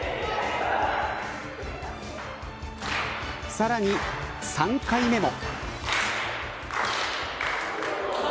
さらに３回目も。